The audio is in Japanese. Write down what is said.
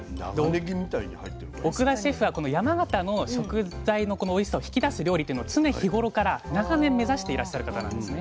奥田シェフはこの山形の食材のおいしさを引き出す料理っていうのを常日頃から長年目指していらっしゃる方なんですね。